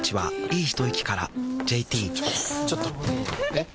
えっ⁉